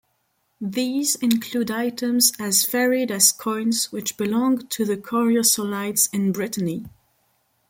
These include items as varied as coins which belonged to the Coriosolites in Brittany.